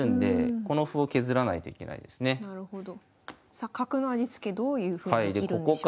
さあ角の味付けどういうふうに生きるんでしょうか？